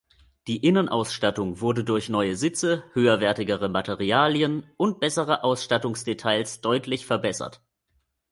Die Innenausstattung wurde durch neue Sitze, höherwertige Materialien und bessere Ausstattungsdetails deutlich verbessert.